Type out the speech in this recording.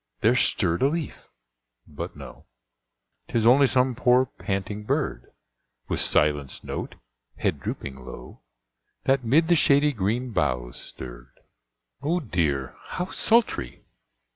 there stirred a leaf, but no, Tis only some poor, panting bird, With silenced note, head drooping low, That 'mid the shady green boughs stirred. Oh dear! how sultry!